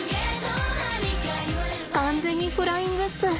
完全にフライングっす。